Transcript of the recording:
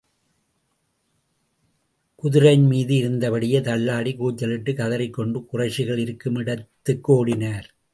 குதிரையின் மீது இருந்தபடியே தள்ளாடிக் கூச்சலிட்டுக் கதறிக் கொண்டு குறைஷிகள் இருக்கும் இடத்துக்கு ஓடினார்.